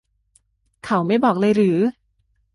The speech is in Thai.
เขาไม่บอกเลยหรือ